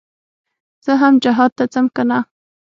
زه هم جهاد ته ځم کنه.